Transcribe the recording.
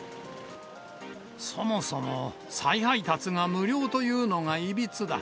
そもそも再配達が無料というのがいびつだ。